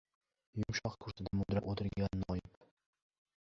Yumshoq kursida mudrab o‘tirgan noib